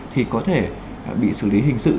thì có thể bị xử lý hình sự